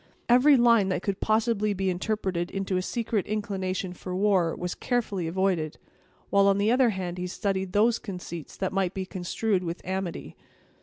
Every line that could possibly be interpreted into a secret inclination for war, was carefully avoided; while, on the other hand, he studied those conceits that might be construed into amity.